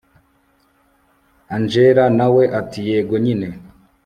angella nawe ati yego nyine